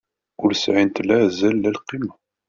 Ur sɛint la azal la lqima.